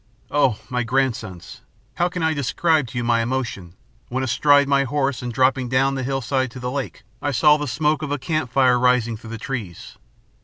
Oh, my grandsons, how can I describe to you my emotion, when, astride my horse and dropping down the hillside to the lake, I saw the smoke of a campfire rising through the trees.